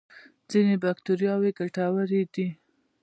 ځینې بکتریاوې ګټورې دي